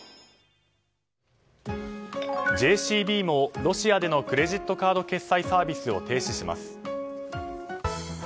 ＪＣＢもロシアでのクレジットカード決済サービスを停止します。